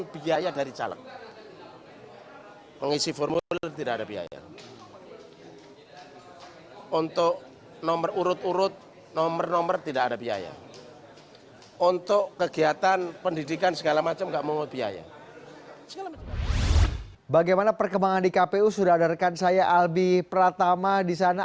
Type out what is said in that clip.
bagaimana perkembangan di kpu sudah adarkan saya albi pratama di sana